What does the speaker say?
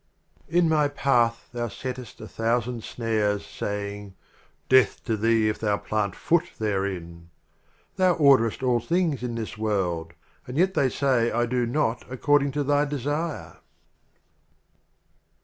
LXXX. In my Path Thou settest a Thou sand Snares, saying, " Death to thee if thou plant Foot therein !" Thou orderest all things in this World — And yet they say I do not accord ing to Thy Desire